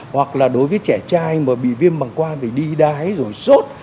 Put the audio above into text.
hoặc là đối với trẻ trai mà bị viêm bằng quang thì đi đáy rồi sốt